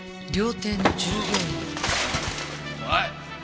おい！